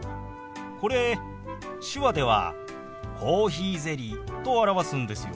これ手話では「コーヒーゼリー」と表すんですよ。